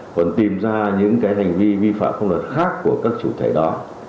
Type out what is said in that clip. còn tìm ra những cái hành vi vi phạm pháp luật khác của các chủ thể đó